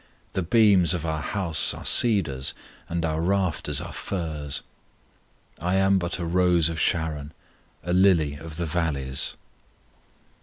The beams of our house are cedars, And our rafters are firs. I am (but) a rose of Sharon, A lily of the valleys.